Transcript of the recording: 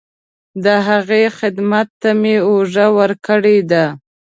د هغې خدمت ته مې اوږه ورکړې ده.